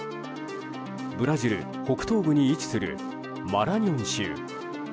ブラジル北東部に位置するマラニョン州。